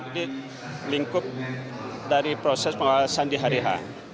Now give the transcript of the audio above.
jadi lingkup dari proses pengawasan di hari h